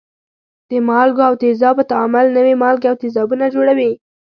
د مالګو او تیزابو تعامل نوي مالګې او تیزابونه جوړوي.